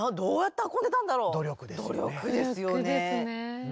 努力ですよね。